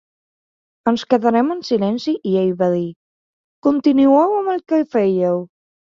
Ens quedàrem en silenci i ell va dir: "Continueu amb el que fèieu".